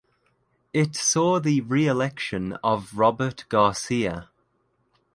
It saw the reelection of Robert Garcia.